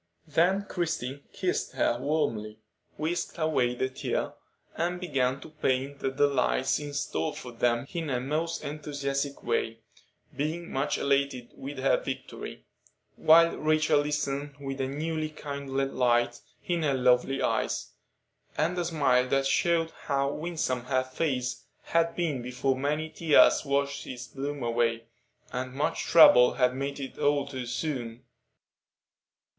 Then Christie kissed her warmly, whisked away the tear, and began to paint the delights in store for them in her most enthusiastic way, being much elated with her victory; while Rachel listened with a newly kindled light in her lovely eyes, and a smile that showed how winsome her face had been before many tears washed its bloom away, and much trouble made it old too soon.